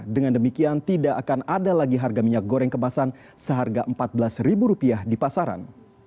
dengan demikian tidak akan ada lagi harga minyak goreng kemasan seharga rp empat belas di pasaran